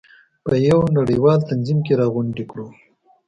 په یو نړیوال تنظیم کې راغونډې کړو.